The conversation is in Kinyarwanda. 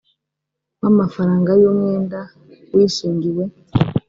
w amafaranga y umwenda wishingiwe